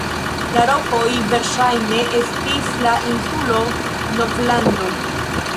La rokoj verŝajne estis la insulo Novlando.